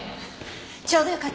ちょうどよかった。